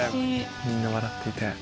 みんな笑っていて。